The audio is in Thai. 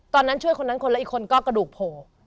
ตอนนั้นช่วยคนแล้วก็กระดูกโผล่